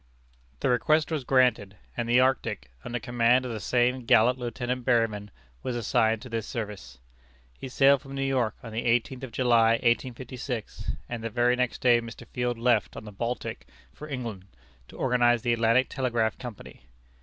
The request was granted, and the Arctic, under command of the same gallant Lieutenant Berryman, was assigned to this service. He sailed from New York on the eighteenth of July, 1856, and the very next day Mr. Field left on the Baltic for England, to organize the Atlantic Telegraph Company.